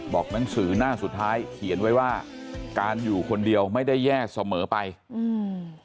บอกหนังสือหน้าสุดท้ายเขียนไว้ว่าการอยู่คนเดียวไม่ได้แย่เสมอไปอืม